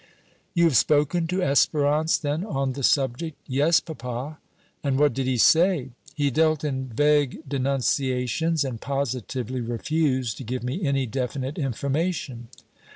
"You have spoken to Espérance then on the subject?" "Yes, papa." "And what did he say?" "He dealt in vague denunciations, and positively refused to give me any definite information."